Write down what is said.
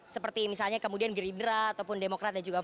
seperti misalnya kemudian gerindra ataupun demokrat dan juga pan